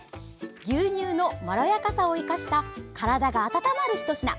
牛乳のまろやかさを生かした体が温まるひと品。